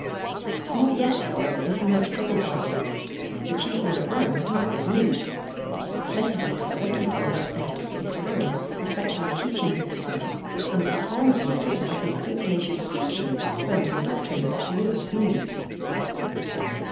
Not yet, however, is he much troubled by them. The chief men at Rome have not yet moved. Messages, however, keep going up from Tuscany to Rome respecting the teachings of this man, and of the harm he is doing by his pertinacious preaching of the Copernican doctrine that the earth moves.